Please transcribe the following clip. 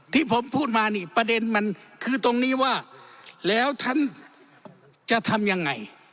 ที่ผมพูดมานี่ประเด็นมันคือตรงนี้ว่าแล้วท่านจะทำยังไง